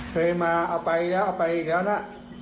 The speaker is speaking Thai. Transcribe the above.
เคยมาเอาไปแล้วเอาไปอีกแล้วนะ